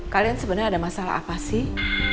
kalian sebenarnya ada masalah apa sih